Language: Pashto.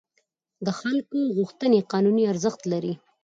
د خلکو غوښتنې قانوني ارزښت لري.